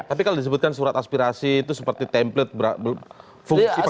tapi kalau disebutkan surat aspirasi itu seperti template fungsi